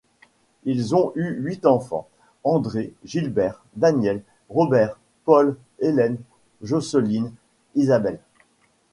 Ils ont eu huit enfants: Andrée, Gilbert, Danielle, Robert, Paul, Hélène, Jocelyne, Isabelle.